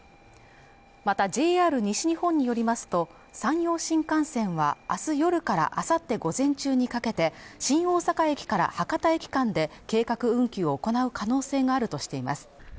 またＪＲ西日本によりますと山陽新幹線は明日夜からあさって午前中にかけて新大阪駅から博多駅間で計画運休を行う可能性があるとしています